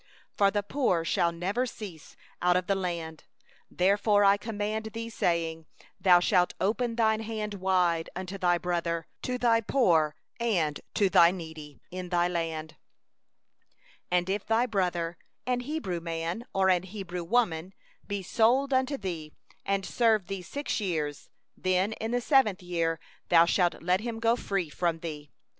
11For the poor shall never cease out of the land; therefore I command thee, saying: 'Thou shalt surely open thy hand unto thy poor and needy brother, in thy land.' 12If thy brother, a Hebrew man, or a Hebrew woman, be sold unto thee, he shall serve thee six years; and in the seventh year thou shalt let him go free from thee.